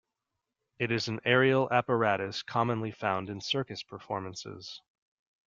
It is an aerial apparatus commonly found in circus performances.